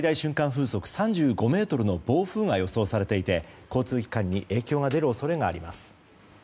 風速３５メートルの暴風が予想されていて交通機関に影響が出る恐れがあります。